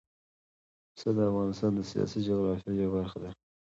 پسه د افغانستان د سیاسي جغرافیه یوه برخه ده.